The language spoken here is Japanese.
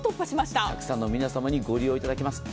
たくさんの皆様にご利用いただいています。